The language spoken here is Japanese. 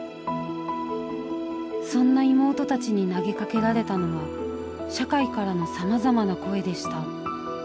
そんな妹たちに投げかけられたのは社会からのさまざまな声でした。